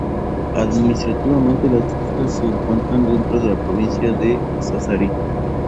Administrativamente las islas se encuentran dentro de la provincia de Sassari.